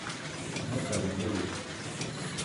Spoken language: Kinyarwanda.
ntukabe mubi